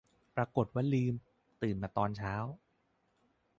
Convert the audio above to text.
ปรากฏว่าลืม ตื่นมาตอนเช้า